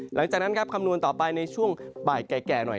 หลังจากนั้นครับคำนวณต่อไปในช่วงบ่ายแก่หน่อย